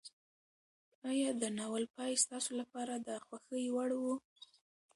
ایا د ناول پای ستاسو لپاره د خوښۍ وړ و؟